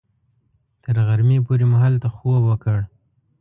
تر غرمې پورې مو هلته خوب وکړ.